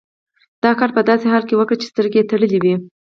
دا کار په داسې حال کې وکړئ چې سترګې یې تړلې وي.